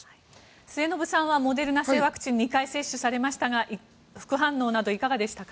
末延さんはモデルナ製ワクチンを２回接種されましたが副反応などいかがでしたか？